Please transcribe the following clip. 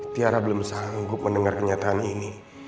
tiara belum sanggup mendengar kenyataan ini